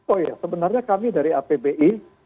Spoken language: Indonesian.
oh ya sebenarnya kami dari apbi